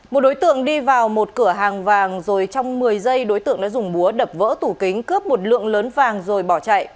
một đối tượng đi vào một cửa hàng vàng rồi trong một mươi giây đối tượng đã dùng búa đập vỡ tủ kính cướp một lượng lớn vàng rồi bỏ chạy